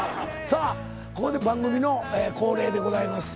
さあここで番組の恒例でございます。